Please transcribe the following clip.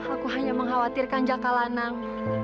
aku hanya mengkhawatirkan jakalanang